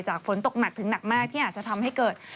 ฝนตกหนักถึงหนักมากที่อาจจะทำให้เกิด